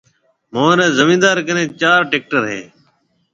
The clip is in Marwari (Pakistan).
مهوريَ زميندار ڪني چار ٽيڪٽر هيَ۔